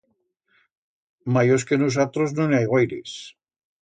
Mayors que nusatros, no n'i hai guaires.